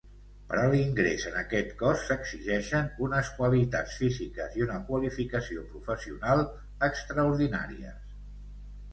Per a l'ingrés en aquest Cos s'exigeixen unes qualitats físiques i una qualificació professional extraordinàries.